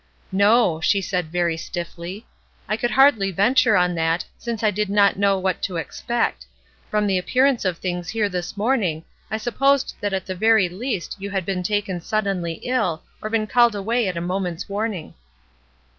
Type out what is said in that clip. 'No,' she said very stiffly. 'I could hardly venture on that, since I did not know what to expect. From the appearance of things here this morning I supposed that at the very least you had been taken suddenly ill, or been called away at a moment's warning.'